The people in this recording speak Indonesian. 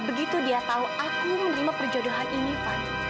begitu dia tahu aku menerima perjodohan ini fan